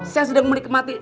saya sedang menikmati